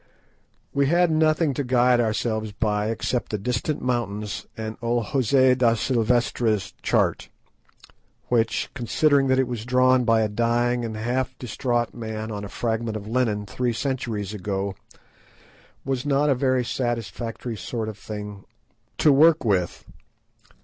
We had nothing to guide ourselves by except the distant mountains and old José da Silvestra's chart, which, considering that it was drawn by a dying and half distraught man on a fragment of linen three centuries ago, was not a very satisfactory sort of thing to work with.